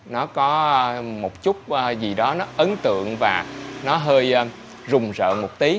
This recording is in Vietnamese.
nó có một chút gì đó nó ấn tượng và nó hơi rùng rợn một tí